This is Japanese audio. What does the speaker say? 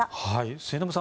末延さん